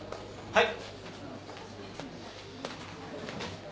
はい。